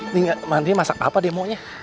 tinggal mandi masak apa demo nya